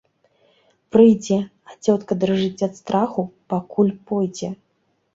Прыйдзе, а цётка дрыжыць ад страху, пакуль пойдзе.